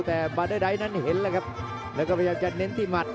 แต่บาเดอร์ไดทนั้นเห็นแล้วครับแล้วก็พยายามจะเน้นที่หมัด